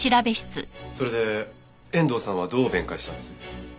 それで遠藤さんはどう弁解したんです？